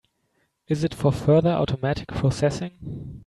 Is it for further automatic processing?